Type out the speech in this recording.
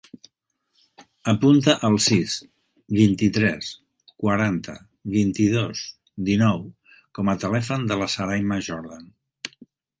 Apunta el sis, vint-i-tres, quaranta, vint-i-dos, dinou com a telèfon de la Sarayma Jordan.